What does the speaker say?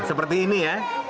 seperti ini ya